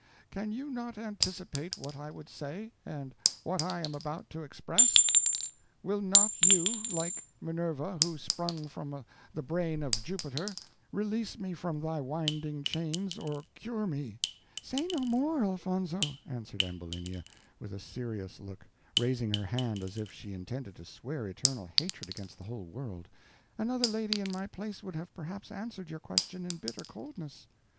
Can you not anticipate what I would say, and what I am about to express? Will not you, like Minerva, who sprung from the brain of Jupiter, release me from thy winding chains or cure me " "Say no more, Elfonzo," answered Ambulinia, with a serious look, raising her hand as if she intended to swear eternal hatred against the whole world; "another lady in my place would have perhaps answered your question in bitter coldness.